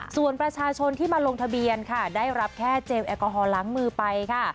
ส่วนประชาชนที่มาลงทะเบียนค่ะได้รับแค่เจลแอลกอฮอลล้างมือไปค่ะ